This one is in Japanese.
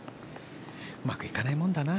うまくいかないもんだな。